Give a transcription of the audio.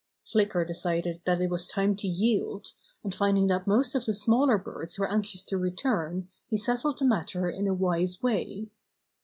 Flicker decided that it was time to yield, and finding that most of the smaller birds were anxious to return he settled the matter in a wise way.